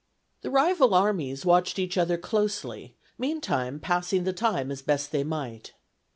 The rival armies watched each other closely, meantime passing the time as best they might.